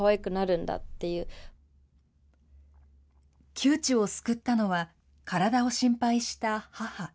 窮地を救ったのは、体を心配した母。